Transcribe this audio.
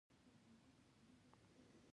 د لښتیو، پلیو لارو، ګلدانونو